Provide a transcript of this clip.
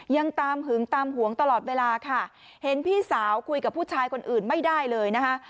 ยังตามหึงตามหวงตลอดเวลาค่ะเห็นพี่สาวคุยกับผู้ชายคนอื่นไม่ได้เลยนะคะ